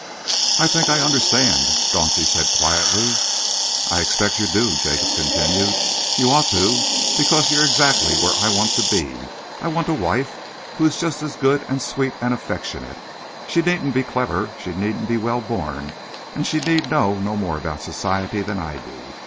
"I think I understand," Dauncey said quietly. "I expect you do," Jacob continued. "You ought to, because you're exactly where I want to be. I want a wife who is just good and sweet and affectionate. She needn't be clever, she needn't be well born, and she need know no more about Society than I do.